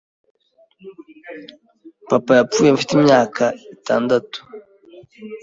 papa yapfuye mfite imyaka itndatu